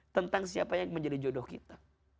tentang siapa yang menjadi jodoh kita